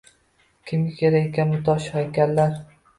Kimga kerak ekan bu tosh haykallar?..